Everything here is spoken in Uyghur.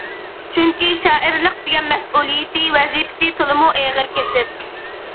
چۈنكى شائىرلىق دېگەن مەسئۇلىيىتى، ۋەزىپىسى تولىمۇ ئېغىر كەسىپ.